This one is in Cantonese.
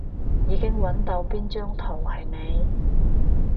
已經搵到邊張圖係你